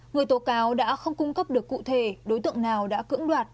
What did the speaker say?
người tố cáo đã không cung cấp được cụ thể đối tượng nào đã cưỡng đoạt